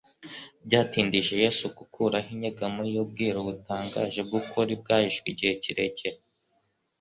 Byatindije Yesu gukuraho inyegamo y'ubwiru butangaje bw'ukuri bwahishwe igihe kirekire,